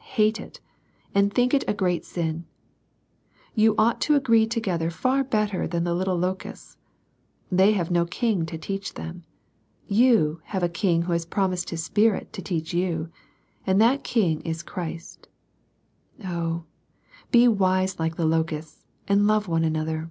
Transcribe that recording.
Hate it, and think it a great sin. You ought to agree together far better than the little locusts. They have no king to teach them. You have a King who has promised His Spirit to teach you, and that King is Christ. Oh, be wise like the locusts, and love one another